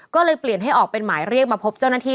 ก็เลยเปลี่ยนให้ออกเป็นหมายเรียกมาพบเจ้าหน้าที่